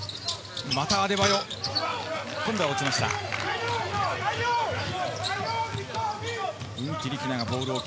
またアデバヨ、今度は落ちました。